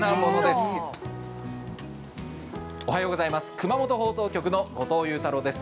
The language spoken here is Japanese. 熊本放送局の後藤佑太郎です。